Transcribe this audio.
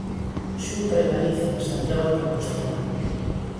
Xunta de Galicia, Santiago de Compostela.